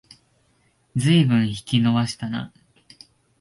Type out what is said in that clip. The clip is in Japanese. ずいぶん引き延ばしたな